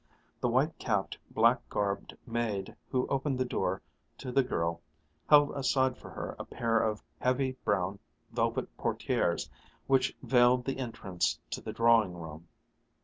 The white capped, black garbed maid who opened the door to the girl held aside for her a pair of heavy brown velvet portières which veiled the entrance to the drawing room.